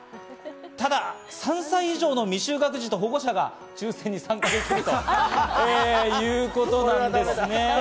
ただ３歳以上の未就学児と保護者が抽選に参加できるということなんです。